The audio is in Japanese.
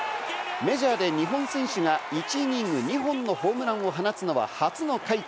メジャーで日本選手が１イニング２本のホームランを放つのは初の快挙。